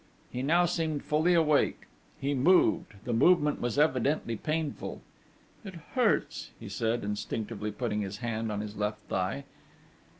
He now seemed fully awake. He moved: the movement was evidently painful: 'It hurts,' he said, instinctively putting his hand on his left thigh.